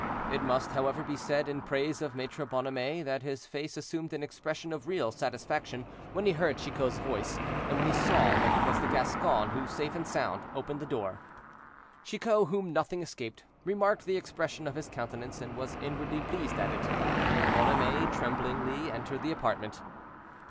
It must, however, be said in praise of Maître Bonhomet that his face assumed an expression of real satisfaction when he heard Chicot's voice, and when he saw that it was the Gascon who, safe and sound, opened the door. Chicot, whom nothing escaped, remarked the expression of his countenance, and was inwardly pleased at it. Bonhomet, tremblingly, entered the apartment.